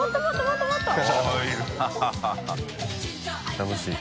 楽しい。